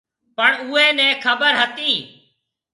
پڻ اُوئي نَي خبر ھتِي۔